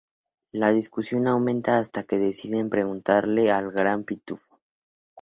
La discusión aumenta hasta que deciden preguntarle al Gran Pitufo.